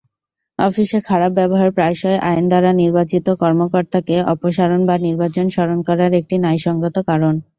অফিসে খারাপ ব্যবহার প্রায়শই আইন দ্বারা নির্বাচিত কর্মকর্তাকে অপসারণ বা নির্বাচন স্মরণ করার একটি ন্যায়সঙ্গত কারণ।